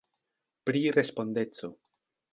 Pri respondeco.